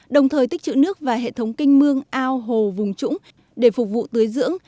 đồng thời tích chữ nước và hệ thống kinh mương ao hồ vùng trũng để phục vụ tưới dưỡng